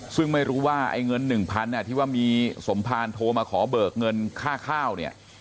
ซึ่งไม่รู้ว่าไอ้เงิน๑๐๐๐ที่ว่ามีสมภารโทรมาขอเบิกเงินค่าข้าวเนี่ย